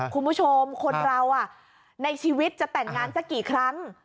คุณผู้ชมคนเราในชีวิตจะแต่งงานสักกี่ครั้ง